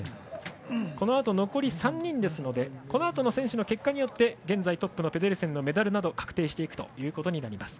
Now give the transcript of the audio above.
このあと、残り３人ですのでこのあとの選手の結果によって現在トップのペデルセンのメダルなどが確定します。